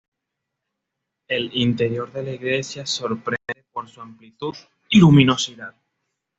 El interior de la iglesia sorprende por su amplitud y luminosidad.